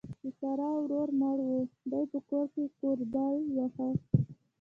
د سارا ورور مړ وو؛ دې په کور کې کوربل واهه.